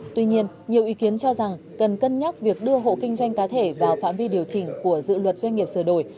tuy nhiên nhiều ý kiến cho rằng cần cân nhắc việc đưa hộ kinh doanh cá thể vào phạm vi điều chỉnh của dự luật doanh nghiệp sửa đổi